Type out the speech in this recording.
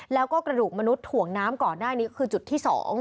แล้วก็กระดูกมนุษย์ถ่วงน้ำก่อนหน้านี้ก็คือจุดที่๒